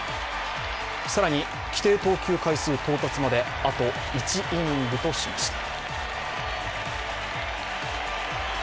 更に規定投球回数到達まであと１イニングとしました。